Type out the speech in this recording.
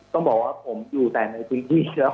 ต้องบอกว่าผมอยู่ในกุญติเชื้อพล